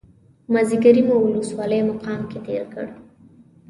مازیګری مو ولسوالۍ مقام کې تېر کړ.